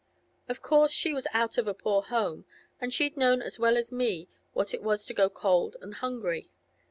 Of course she was out of a poor home, and she'd known as well as me what it was to go cold and hungry.